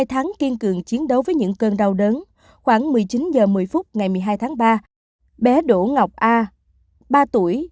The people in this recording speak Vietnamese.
hai tháng kiên cường chiến đấu với những cơn đau đớn khoảng một mươi chín h một mươi phút ngày một mươi hai tháng ba bé đỗ ngọc a ba tuổi